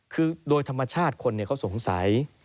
คือโดยธรรมชาติคนเขาสงสัย